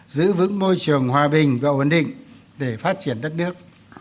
giữ vững môi trường hòa bình và ổn định để phát triển đất nước